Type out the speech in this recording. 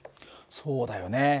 そうだよね。